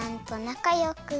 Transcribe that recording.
なかよく。